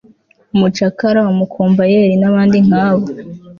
umucakara umukomvayeli nabandi nkabo